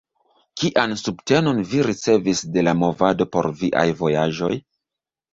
Kian subtenon vi ricevis de la movado por viaj vojaĝoj?